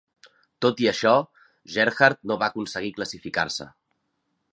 Tot i això, Gerhart no va aconseguir classificar-se.